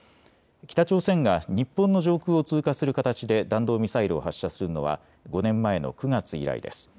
北朝鮮が日本の上空を通過する形で弾道ミサイルを発射するのは５年前の９月以来です。